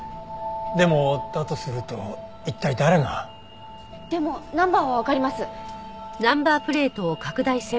でもだとすると一体誰が？でもナンバーはわかります。